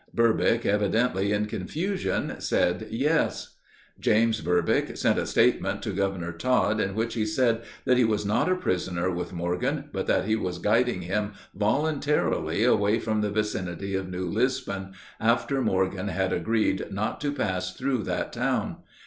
Burbick, evidently in confusion, said, "Yes." James Burbick sent a statement to Governor Tod, in which he said that he was not a prisoner with Morgan, but that he was guiding him voluntarily away from the vicinity of New Lisbon, after Morgan had agreed not to pass through that town.